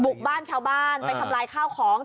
บ้านชาวบ้านไปทำลายข้าวของ